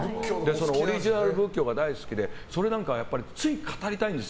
オリジナル仏教が大好きでそれなんかはつい語りたいんです